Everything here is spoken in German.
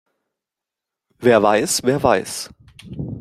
Wer weiß, wer weiß?